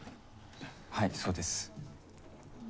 はいそうです。